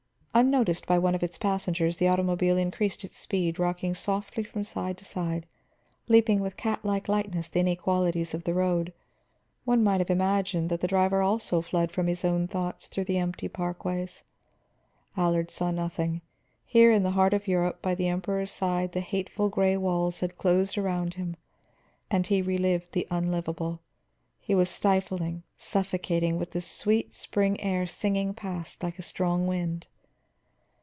Unnoticed by one of its passengers, the automobile increased its speed, rocking softly from side to side, leaping with cat like lightness the inequalities of the road. One might have imagined that the driver also fled from his own thoughts through the empty parkways. Allard saw nothing; here in the heart of Europe, by the Emperor's side, the hateful gray walls had closed around him and he relived the unlivable. He was stifling, suffocating, with the sweet spring air singing past like a strong wind.